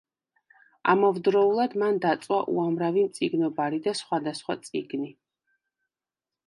ამავდროულად მან დაწვა უამრავი მწიგნობარი და სხვადასხვა წიგნი.